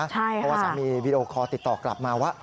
เพราะว่าสามีวีดีโอคอลติดต่อกลับมาว่า